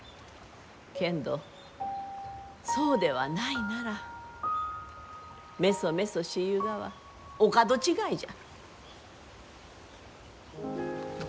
けんど、そうではないならめそめそしゆうがはお門違いじゃ。